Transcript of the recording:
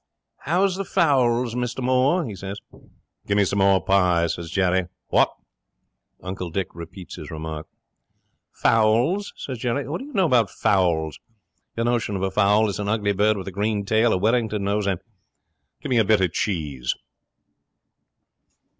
'"How is the fowls, Mr Moore?" he says. '"Gimme some more pie," says Jerry. "What?" 'Uncle Dick repeats his remark. '"Fowls?" says Jerry. "What do you know about fowls? Your notion of a fowl is an ugly bird with a green tail, a Wellington nose, and gimme a bit of cheese."